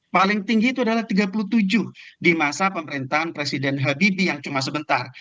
paling tinggi itu adalah tiga puluh tujuh di masa pemerintahan presiden habibie yang cuma sebentar